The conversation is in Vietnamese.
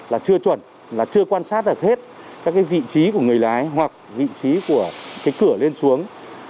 là chưa chuẩn là chưa quan sát được hết các cái vị trí của người lái hoặc vị trí của cái cửa lên xuống